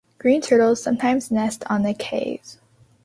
Green turtles sometimes nest on the cays.